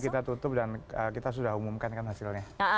kita tutup dan kita sudah umumkan kan hasilnya